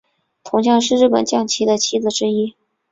铜将是日本将棋的棋子之一。